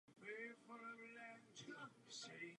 K této verzi napsal scénář Adam Wilson a jeho žena Melanie.